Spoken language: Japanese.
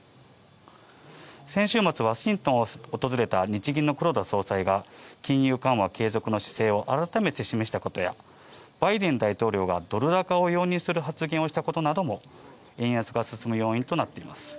先週末、ワシントンを訪れた日銀の黒田総裁が金融緩和継続の姿勢を改めて示したことや、バイデン大統領がドル高を容認する発言をしたことなども円安が進む要因となっています。